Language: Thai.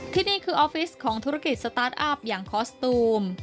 ที่นี่คือออฟฟิศของธุรกิจสตาร์ทอัพอย่างคอสตูม